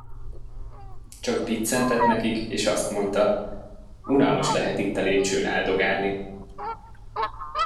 Csak biccentett nekik, és azt mondta: Unalmas lehet itt a lépcsőn álldogálni!